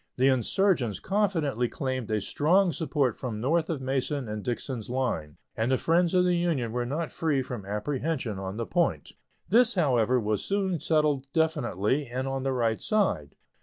The insurgents confidently claimed a strong support from north of Mason and Dixon's line, and the friends of the Union were not free from apprehension on the point. This, however, was soon settled definitely, and on the right side.